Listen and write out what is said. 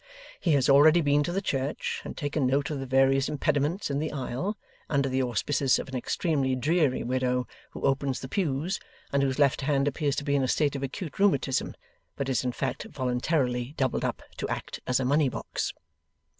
He has already been to the church, and taken note of the various impediments in the aisle, under the auspices of an extremely dreary widow who opens the pews, and whose left hand appears to be in a state of acute rheumatism, but is in fact voluntarily doubled up to act as a money box.